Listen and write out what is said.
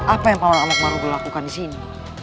apa yang paman alakmaru berlakukan disini